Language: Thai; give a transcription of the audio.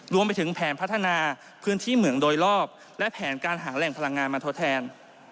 รวมไปถึงแผนพัฒนาพื้นที่เหมืองโดยรอบและแผนการหาแหล่งพลังงานมาทดแทน